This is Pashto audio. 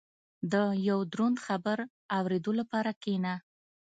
• د یو دروند خبر اورېدو لپاره کښېنه.